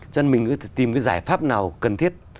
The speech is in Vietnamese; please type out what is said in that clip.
cho nên mình tìm cái giải pháp nào cần thiết